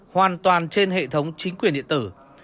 hoàn toàn trên hệ thống chính quyền điện tử